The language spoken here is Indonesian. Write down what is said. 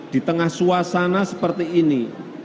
di tengah suasana seperti ini